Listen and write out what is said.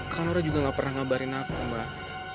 kak nora juga gak pernah ngabarin aku mbak